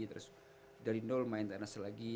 terus dari nol main tenis lagi